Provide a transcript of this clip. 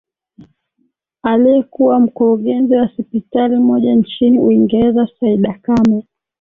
aliyekuwa mkurugenzi wa sipitali moja nchini uingereza saida kame